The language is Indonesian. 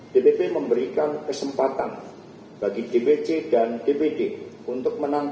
dpp memberikan kesempatan bagi dpc dan dpd untuk menang